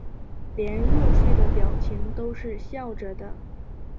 连入睡的表情都是笑着的